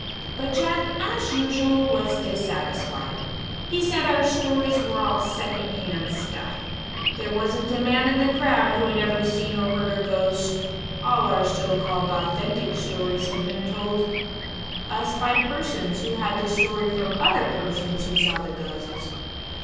But Jack, as usual, was dissatisfied. He said our stories were all second hand stuff. There wasn't a man in the crowd who had ever seen or heard a ghost; all our so called authentic stories had been told us by persons who had the story from other persons who saw the ghosts.